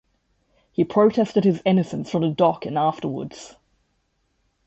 He protested his innocence from the dock and afterwards.